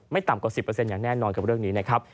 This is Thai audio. ต่ำกว่า๑๐อย่างแน่นอนกับเรื่องนี้นะครับ